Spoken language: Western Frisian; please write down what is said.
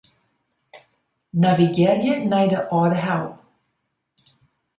Navigearje nei de Aldehou.